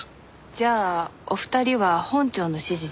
じゃあお二人は本庁の指示で？